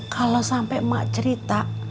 kalau sampai emak cerita